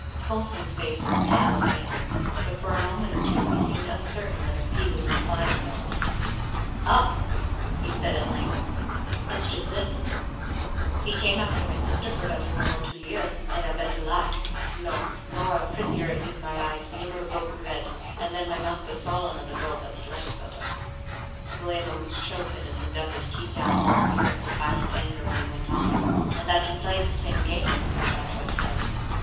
Coulson's face was pale with anger, but for a moment or two he seemed uncertain whether he would reply or not. 'Up!' said he at length. 'It's just this: he came after my sister for better nor two year; and a better lass no, nor a prettier i' my eyes niver broke bread. And then my master saw another girl, that he liked better' William almost choked in his endeavour to keep down all appearance of violent anger, and then went on, 'and that he played t' same game wi', as I've heerd tell.'